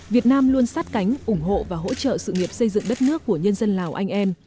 việt nam luôn sát cánh ủng hộ và hỗ trợ sự nghiệp xây dựng đất nước của nhân dân lào anh em